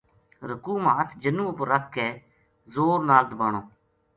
رکوع ما ہتھ جنو اپر رکھ کے زور نال دبانو۔